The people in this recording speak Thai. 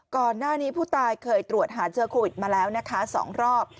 ก่อนหน้านี้ผู้ตายเคยตรวจหาเชื้อโควิดมาแล้วนะคะ๒รอบ